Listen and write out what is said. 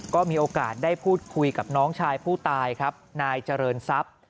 ก็มีโอกาสได้พูดคุยกับน้องชายผู้ตายครับนายเจริญทรัพย์